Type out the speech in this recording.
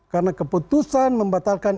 karena keputusan membatalkan